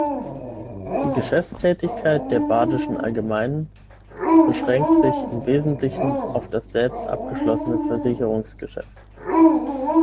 Die Geschäftstätigkeit der Badischen Allgemeinen beschränkt sich im Wesentlichen auf das selbst abgeschlossene Versicherungsgeschäft.